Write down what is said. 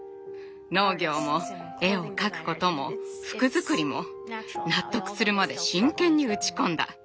農業も絵を描くことも服作りも納得するまで真剣に打ち込んだ。